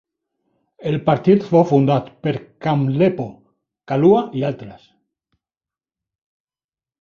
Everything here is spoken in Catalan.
El partit fou fundat per Kamlepo Kalua i altres.